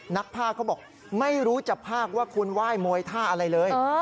นักภาคเขาบอกไม่รู้จะภาคว่าคุณไหว้มวยท่าอะไรเลย